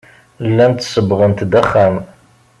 Llant sebbɣent-d axxam.